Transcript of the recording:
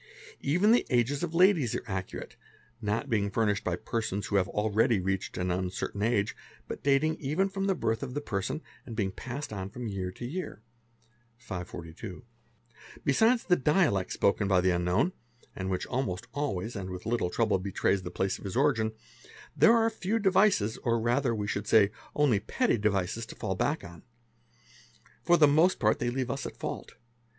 Even the ages of ladies are accurate, not being furnished by persons who have already reached an uncertain age but dating even from the birth of the person, and being passed on from year to year &"),@ Besides the dialect spoken by the unknown, and which almost always, with a little trouble, betrays the place of his origin, there are few devices | or rather we should say, only petty devices, to fall back on. For the — most part they leave us at fault.